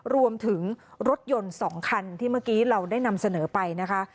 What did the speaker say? รวมถึงรถยนต์๒คันที่เมื่อกี้เราได้นำเสนอไปนะคะ